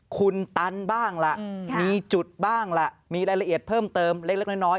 คุณตันบ้างล่ะมีจุดบ้างล่ะมีรายละเอียดเพิ่มเติมเล็กน้อย